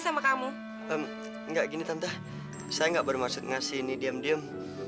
tante tidak aku tidak berusaha beras dan sembal